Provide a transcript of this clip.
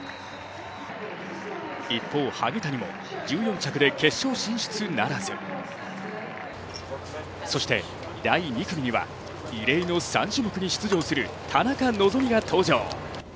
一方、萩谷も１４着で決勝進出ならずそして第２組には、異例の３種目に出場する田中希実が登場。